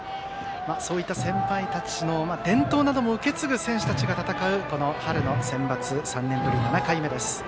そういった先輩たちの伝統を受け継ぐ選手たちが戦うこの春のセンバツ３年ぶり７回目です。